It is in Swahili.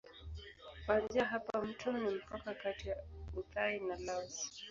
Kuanzia hapa mto ni mpaka kati ya Uthai na Laos.